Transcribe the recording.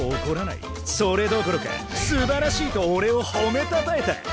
それどころかすばらしいとおれをほめたたえた。